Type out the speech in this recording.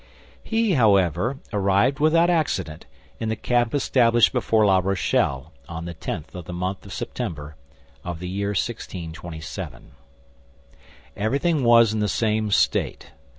He, however, arrived without accident in the camp established before La Rochelle, on the tenth of the month of September of the year 1627. Everything was in the same state.